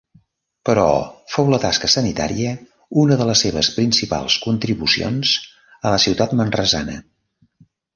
Però fou la tasca sanitària una de les seves principals contribucions a la ciutat manresana.